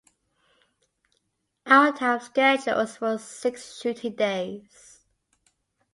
Our time schedules were six shooting days.